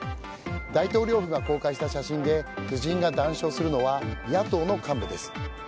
大統領府が公開した写真で夫人が談笑するのは野党の幹部です。